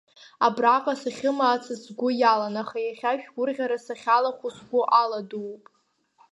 Абраҟа сахьымаацыз сгәы иалан, аха иахьа шәгәырӷьара сахьалахәу сгәы аладууп.